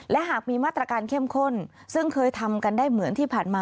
และหากมีมาตรการเข้มข้นซึ่งเคยทำกันได้เหมือนที่ผ่านมา